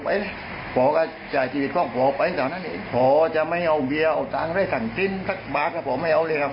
พ่อบอกว่าทางน้องยึดคุณพ่ออย่างเดี๋ยวเท่านั้นว่าคนละเรื่องเลย